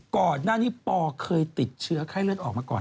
ก่อนหน้านี้ปอเคยติดเชื้อไข้เลือดออกมาก่อน